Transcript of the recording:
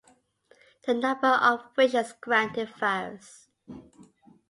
The number of wishes granted varies.